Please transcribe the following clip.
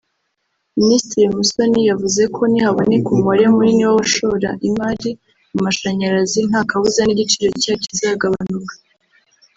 Minisitiri Musoni yavuze ko nihaboneka umubare munini w’abashora imari mu mashanyarazi nta kabuza n’igiciro cyayo kizagabanuka